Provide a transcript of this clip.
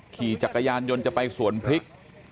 ขี่จักรยานยนต์จะไปสวนพริก